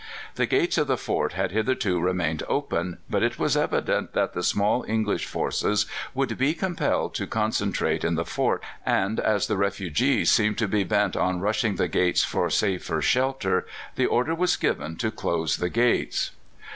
The gates of the fort had hitherto remained open, but it was evident that the small English force would be compelled to concentrate in the fort; and as the refugees seemed to be bent on rushing the gates for safer shelter, the order was given to close the gates.